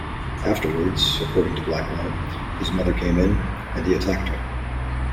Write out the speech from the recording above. Afterwards, according to Blackwell, his mother came in, and he attacked her.